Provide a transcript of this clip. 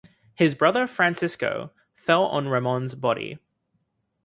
His brother Francisco fell on Ramon's body.